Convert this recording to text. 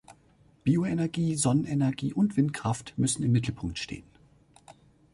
Bioenergie, Sonnenenergie und Windkraft müssen im Mittelpunkt stehen.